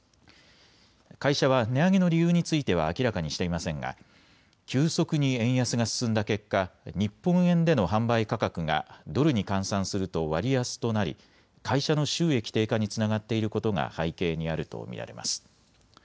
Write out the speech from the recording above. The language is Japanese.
会社は値上げの理由については明らかにしていませんが急速に円安が進んだ結果、日本円での販売価格がドルに換算すると割安となり会社の収益低下につながっていることが背景にあると見られます。